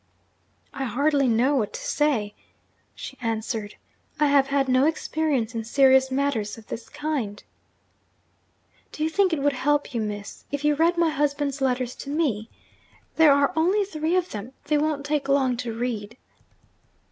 'I hardly know what to say,' she answered. 'I have had no experience in serious matters of this kind.' 'Do you think it would help you, Miss, if you read my husband's letters to me? There are only three of them they won't take long to read.'